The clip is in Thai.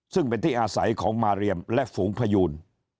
ซึ่งเป็นที่อาศัยของมาเรียมและฝูงพยูน